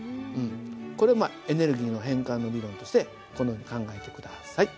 これまあエネルギーの変換の理論としてこのように考えて下さい。